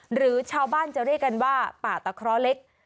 หรือชาวบ้านจะเรียกกันว่าป่าตะเคราะห์เล็ก